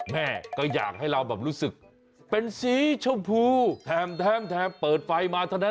แม่ก็แยกให้เรารู้สึกเป็นสีชมพูแทมเปิดไฟ